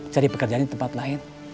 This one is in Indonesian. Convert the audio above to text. cari pekerjaan di tempat lain